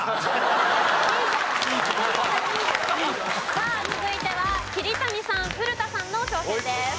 さあ続いては桐谷さん古田さんの挑戦です。